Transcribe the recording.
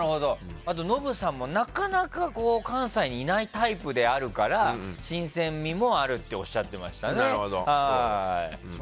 ノブさんも、なかなか関西にいないタイプであるから新鮮味もあるっておっしゃってましたね。